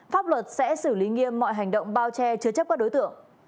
pháp luật sẽ xử lý nghiêm mọi hành động bao che chứa chấp các đối tượng